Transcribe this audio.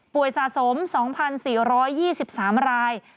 ป่วยสะสม๒๔๒๓ราย